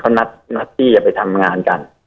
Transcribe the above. เขานัดที่จะไปทำงานกัน